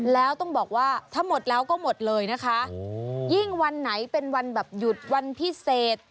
แล้วต้องบอกว่าถ้าหมดแล้วก็หมดเลยนะคะยิ่งวันไหนเป็นวันแบบหยุดวันพิเศษ